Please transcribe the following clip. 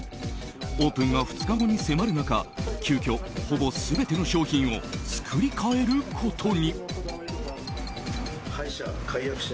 オープンが２日後に迫る中急きょ、ほぼ全ての商品を作り変えることに。